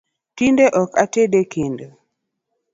Tinde ok ated e kendo